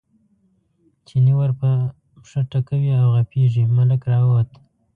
چیني ور په پښه ټکوي او غپېږي، ملک راووت.